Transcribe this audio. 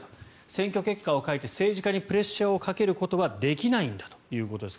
選挙結果を変えて政治家にプレッシャーをかけることはできないんだということです。